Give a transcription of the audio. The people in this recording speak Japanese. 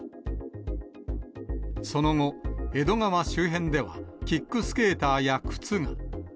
その後、江戸川周辺ではキックスケーターや靴が。